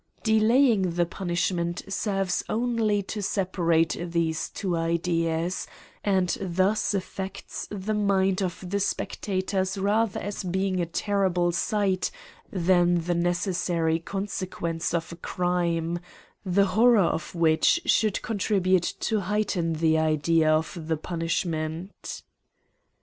Delaying the punishment serves only to separate these two ideas, and thus affects the minds of the spectators rather as being a terrible sight than the necessary consequence of a crime, the horror of which should contribute to heighten the idea of the punishment.